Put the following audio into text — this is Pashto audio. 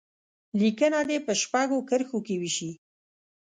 لیکنه دې په شپږو کرښو کې وشي.